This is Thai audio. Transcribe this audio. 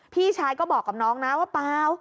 พี่ชายก็บอกกับน้องนะว่าเปล่า